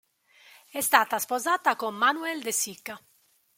È stata sposata con Manuel De Sica.